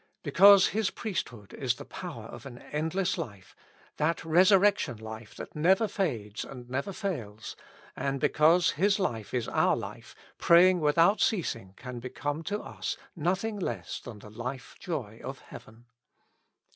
Because His priesthood is the power of an endless life, that resurrection life that never fades and never fails, and because His life is our life, praying without ceasing can become to us nothing less than the life joy of heaven.